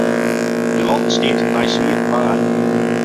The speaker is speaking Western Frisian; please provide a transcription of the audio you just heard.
De loft stiet nei swier waar.